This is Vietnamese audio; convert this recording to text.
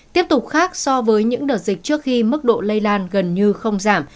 tiếp tục khác so với những đợt dịch trước khi mức độ lây lan gần như không giảm